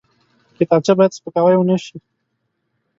کتابچه باید سپکاوی ونه شي